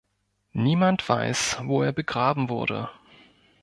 Niemand weiß, wo er begraben wurde.